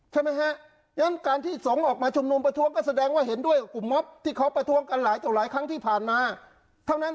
ใช่ไหมฮะฉะนั้นการที่สงฆ์ออกมาชุมนุมประท้วงก็แสดงว่าเห็นด้วยกับกลุ่มมอบที่เขาประท้วงกันหลายต่อหลายครั้งที่ผ่านมาเท่านั้น